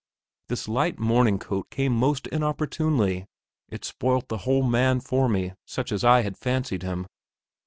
This light morning coat came most inopportunely; it spoilt the whole man for me such as I had fancied him.